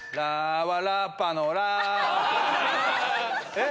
えっ？